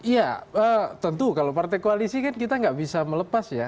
ya tentu kalau partai koalisi kan kita nggak bisa melepas ya